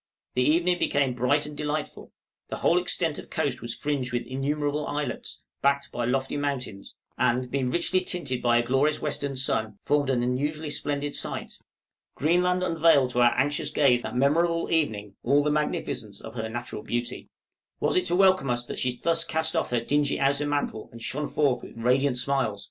The evening became bright and delightful; the whole extent of coast was fringed with innumerable islets, backed by lofty mountains, and, being richly tinted by a glorious western sun, formed an unusually splendid sight. Greenland unveiled to our anxious gaze that memorable evening, all the magnificence of her natural beauty. Was it to welcome us that she thus cast off her dingy outer mantle, and shone forth radiant with smiles?